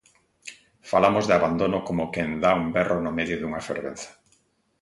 Falamos de abandono coma quen da un berro no medio dunha fervenza.